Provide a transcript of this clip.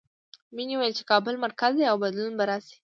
مینې ویل چې کابل مرکز دی او بدلون به راشي